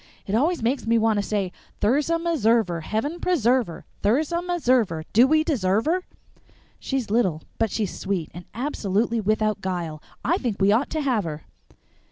"It always makes me want to say: Thirza Meserver Heaven preserve her! Thirza Meserver Do we deserve her? She's little, but she's sweet, and absolutely without guile. I think we ought to have her."